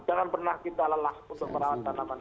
jangan pernah kita lelah untuk merawat tanaman